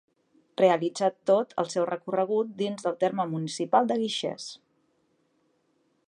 Realitza tot el seu recorregut dins del terme municipal de Guixers.